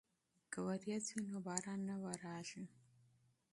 که وریځ وي نو باران نه وریږي.